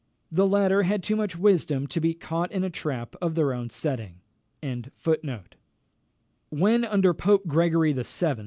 The latter had too much wisdom to be caught in a trap of their own setting. When, under Pope Gregory VII.